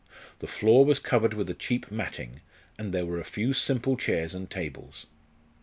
The floor was covered with a cheap matting, and there were a few simple chairs and tables.